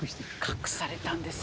隠されたんです。